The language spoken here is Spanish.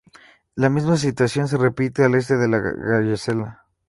La misma situación se repite al este de la Wallacea.